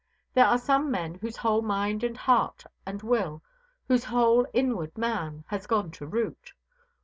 There are some men whose whole mind and heart and will, whose whole inward man, has gone to root.